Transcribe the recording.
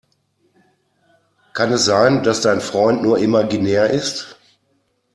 Kann es sein, dass dein Freund nur imaginär ist?